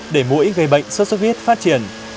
để mỗi gây bệnh xuất xuất huyết phát triển